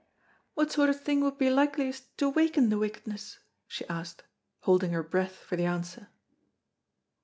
"What sort of thing would be likeliest to waken the wickedness?" she asked, holding her breath for the answer.